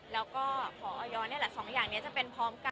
แล้วก็พอยนี่แหละสองอย่างนี้จะเป็นพร้อมกัน